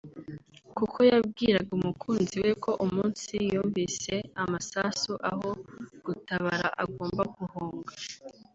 kuko yabwiraga umukunzi we ko umunsi yumvise amasasu aho gutabara agomba guhunga